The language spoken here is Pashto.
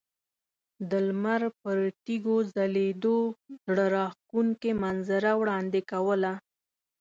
د لمر پر تیږو ځلیدو زړه راښکونکې منظره وړاندې کوله.